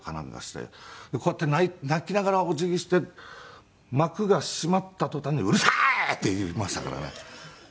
こうやって泣きながらお辞儀して幕が閉まった途端に「うるさい！」って言いましたからね。